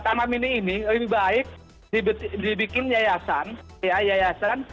taman mini ini lebih baik dibikin yayasan